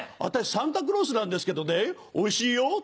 私サンタクロースなんですけどねおいしいよ